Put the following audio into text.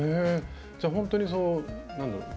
じゃほんとに何だろう